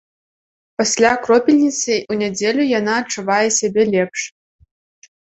Пасля кропельніцы у нядзелю яна адчувае сябе лепш.